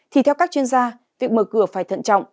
thì theo các chuyên gia việc mở cửa phải thận trọng